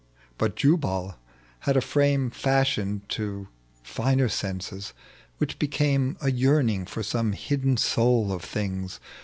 But Jubal had a frame Fashioned to finer senses, which became A yearning for some hidden soul of things.